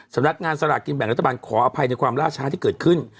สำนักงานสลากกินแบ่งรัฐบาลขออภัยในความล่าช้าที่เกิดขึ้น